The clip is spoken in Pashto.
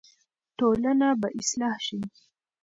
ټولنه به اصلاح شي.